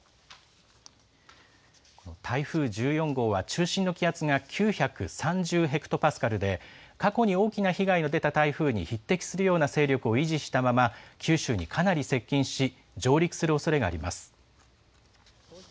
台風１４号は中心の気圧が９３０ヘクトパスカルで、過去に大きな被害の出た台風に匹敵するような勢力を維持したまま、九州にかなり接近し、上陸するおそれがあります。